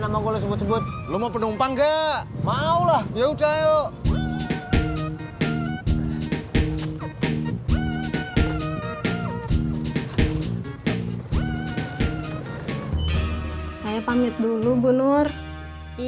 namaku lo sebut sebut lu mau penumpang gak maulah ya udah yuk saya pamit dulu bunur iya